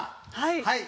はい。